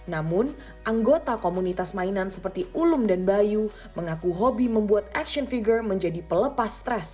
namun anggota komunitas mainan seperti ulum dan bayu mengaku hobi membuat action figure menjadi pelepas stres